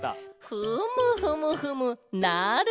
フムフムフムなるケロ！